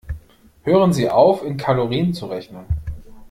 Hören Sie auf, in Kalorien zu rechnen.